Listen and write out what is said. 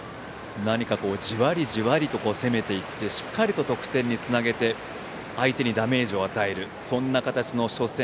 じわりじわりと攻めてしっかりと得点につなげて相手にダメージを与えるそんな形の初戦